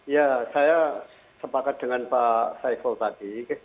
ya saya sepakat dengan pak saiful tadi